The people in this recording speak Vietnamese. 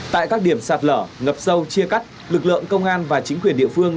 tại các điểm sạt lở ngập sâu chia cắt lực lượng công an và chính quyền địa phương